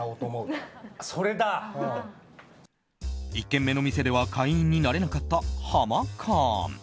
１軒目の店では会員になれなかったハマカーン。